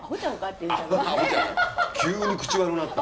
急に口悪ぅなった。